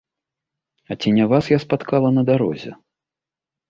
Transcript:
А ці не вас я спаткала на дарозе?